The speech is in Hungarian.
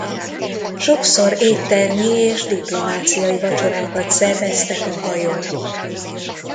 Sokszor éttermi és diplomáciai vacsorákat szerveztek a hajón.